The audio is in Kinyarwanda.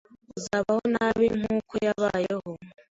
uzabaho nabi nkuko yabayeho